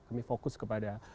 kami fokus kepada